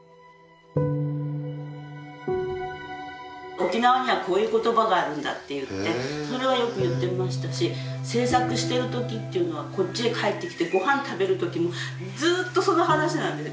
沖縄にはこういう言葉があるんだって言ってそれはよく言ってましたし制作してる時っていうのはこっちへ帰ってきてご飯食べる時もずっとその話なんです。